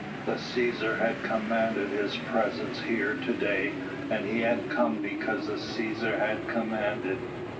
The Cæsar had commanded his presence here to day, and he had come because the Cæsar had commanded.